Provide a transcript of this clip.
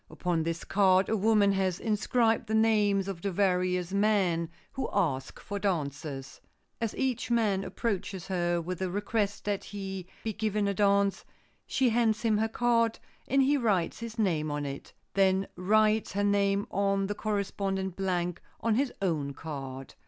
Upon this card a woman has inscribed the names of the various men who ask for dances. As each man approaches her with the request that he be given a dance, she hands him her card and he writes his name on it, then writes her name on the corresponding blank on his own card.